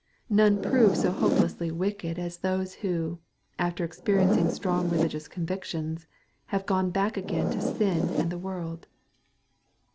'* None prove so hopelessly wicked as those who, after experiencing strong religious convictions, have gone back again to sin and the world.